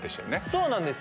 そうなんですよ。